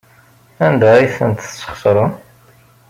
Anda ay tent-tesxeṣrem?